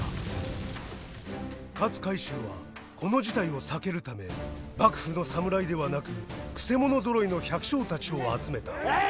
勝海舟はこの事態を避けるため幕府の侍ではなくくせ者ぞろいの百姓たちを集めた。